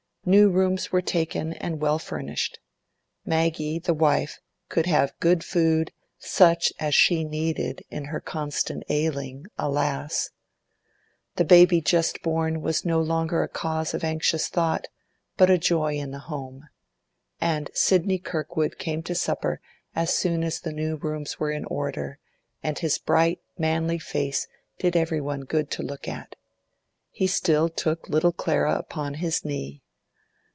New rooms were taken and well furnished. Maggie, the wife, could have good food, such as she needed in her constant ailing, alas! The baby just born was no longer a cause of anxious thought, but a joy in the home. And Sidney Kirkwood came to supper as soon as the new rooms were in order, and his bright, manly face did everyone good to look at. He still took little Clara upon his knee.